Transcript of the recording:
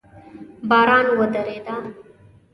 باران ودرېده